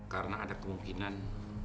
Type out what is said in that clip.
karena ada kemungkinan